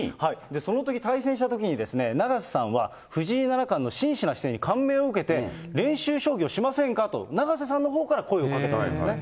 そのとき対戦したときに、永瀬さんは、藤井七冠の真摯な姿勢に感銘を受けて、練習将棋をしませんかと、永瀬さんのほうから声をかけたんですね。